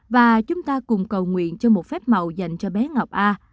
và chúng ta cùng cầu nguyện cho một phép màu dành cho bé ngọc a